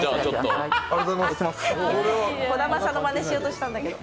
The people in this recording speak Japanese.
兒玉さんのまねしようとしたんだけど。